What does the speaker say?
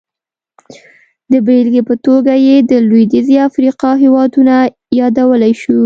د بېلګې په توګه یې د لوېدیځې افریقا هېوادونه یادولی شو.